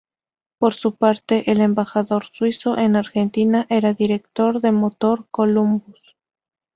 Por su parte, el embajador suizo en Argentina era director de Motor Columbus.